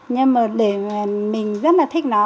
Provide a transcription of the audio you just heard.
nhưng mà để mình rất là thích nó